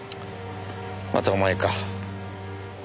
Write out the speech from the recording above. またお前か。